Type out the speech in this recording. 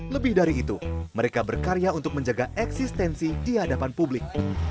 lebih dari itu mereka berkarya untuk menjaga eksistensi di hadapan publik